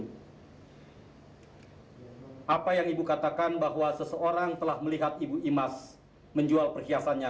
hai apa yang ibu katakan bahwa seseorang telah melihat ibu imas menjual perhiasannya